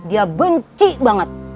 dia benci banget